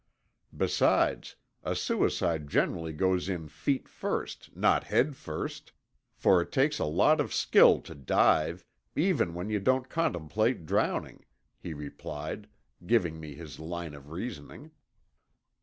Besides, a suicide generally goes in feet first, not head first, for it takes a lot of skill to dive, even when you don't contemplate drowning," he replied, giving me his line of reasoning.